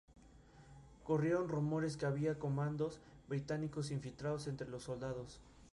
Corrieron rumores que había comandos británicos infiltrados entre los soldados.